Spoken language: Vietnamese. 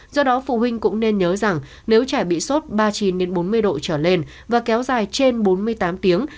do đó phụ huynh cũng nên nhớ rằng nếu trẻ bị sốt ba mươi chín bốn mươi độ trở lên và kéo dài trên bốn mươi tám tiếng